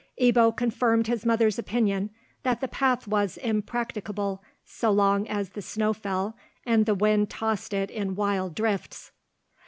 Ebbo confirmed his mother's opinion that the path was impracticable so long as the snow fell, and the wind tossed it in wild drifts.